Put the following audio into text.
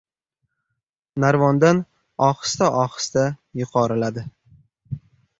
Narvondan ohista-ohista yuqoriladi.